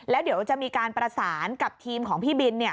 แล้วเดี๋ยวจะมีการประสานกับทีมของพี่บิน